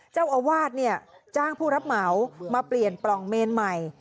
เจ้าอาวาสจ้างผู้รับเหมามาเปลี่ยนปล่องเมนใหม่